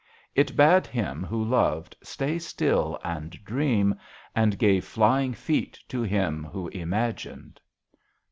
It bade him who loved stay still and dream, and gave flying feet to him who imagined.